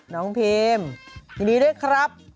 น้องพิมยินดีด้วยครับ